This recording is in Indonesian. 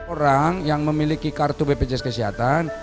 orang yang memiliki kartu bpjs kesehatan